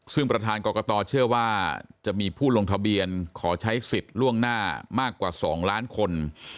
ซึ่งประธานกรกตเชื่อว่าจะมีผู้ลงทะเบียนขอใช้สิทธิ์ล่วงหน้ามากกว่า๒ล้านคน